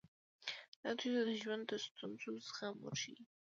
دا دوی ته د ژوند د ستونزو زغم ورښيي.